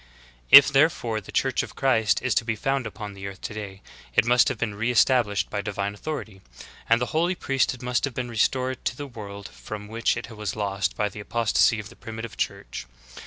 5. If therefore the Church of Christ is to be found upon the earth today it must have been re estabHshed by divine authority; and the holy priesthood must have been restored to the world from which it was lost by the apostasy of the Primitive Church.